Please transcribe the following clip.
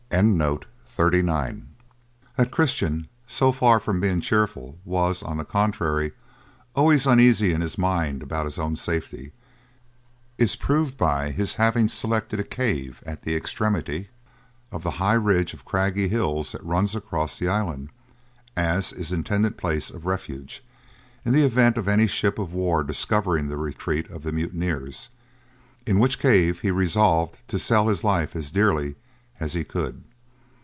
That Christian, so far from being cheerful, was, on the contrary, always uneasy in his mind about his own safety, is proved by his having selected a cave at the extremity of the high ridge of craggy hills that runs across the island, as his intended place of refuge, in the event of any ship of war discovering the retreat of the mutineers, in which cave he resolved to sell his life as dearly as he could.